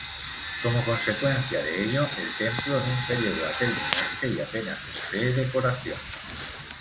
Como consecuencia de ello, el templo nunca llegó a terminarse y apenas posee decoración.